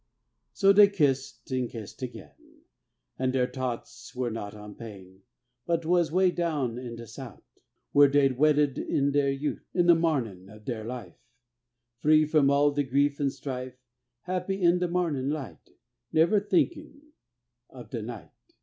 So dey kissed an' kissed again, An' deir t'oughts were not on pain, But was 'way down in de sout' Where dey'd wedded in deir yout', In de marnin' of deir life Free from all de grief an' strife, Happy in de marnin' light, Never thinkin' of de night.